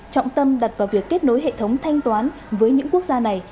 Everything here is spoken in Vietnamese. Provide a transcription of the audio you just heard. trọng tâm đặt vào việc kết nối hệ thống thanh toán với những quốc gia này